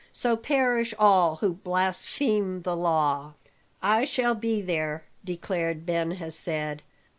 So perish all who blaspheme the law!" "I shall be there," declared Ben Hesed.